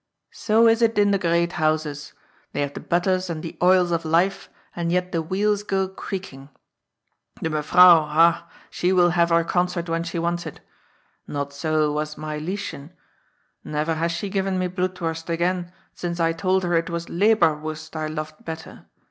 '' So is it in the great houses. They have the butters and the oils of life, and yet the wheels go creaking. The Mefrou, ah, she will have her concert when she wants it. Not so was my Lieschen. Never has she given me Blutwurst again, since I told her it was Leberwurst I loved better.